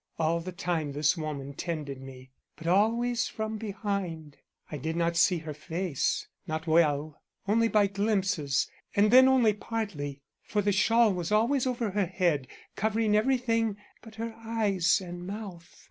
All the time this woman tended me, but always from behind. I did not see her face not well only by glimpses and then only partly, for the shawl was always over her head, covering everything but her eyes and mouth.